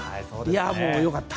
もう、良かった。